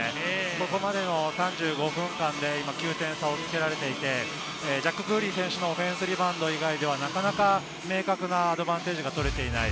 ここまでの３５分間で９点差をつけられていて、ジャック・クーリー選手のオフェンスリバウンド以外では、なかなか明確なアドバンテージが取れていない。